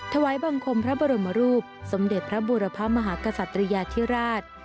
ถวายบังคมพระบรมรูปสมเด็จพระบูรพมหากษัตริยาธิราช